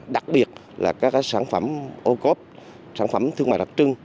đặc biệt là các sản phẩm ô cốp sản phẩm thương mại đặc trưng